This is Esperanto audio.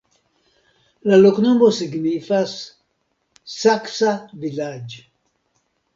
La loknomo signifas: saksa-vilaĝ'.